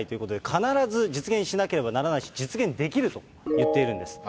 必ず実現しなければならないし、実現できるといっているんです。